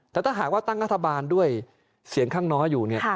แต่ถ้าหากว่าตั้งรัฐบาลด้วยเสียงข้างน้อยอยู่เนี่ย